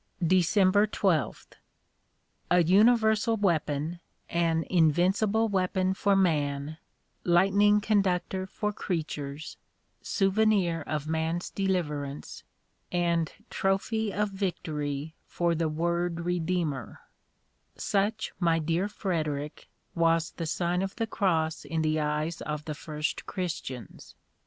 December 12th. A UNIVERSAL weapon, an invincible weapon for man, lightning conductor for creatures, souvenir of man s deliverance, and trophy of victory for the Word Redeemer: such, my dear Frederic, was the Sign of the Cross in the eyes of the first Christians.